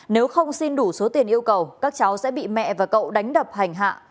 nếu không xin đủ số tiền yêu cầu các cháu sẽ bị mẹ và cậu đánh đập hành hạ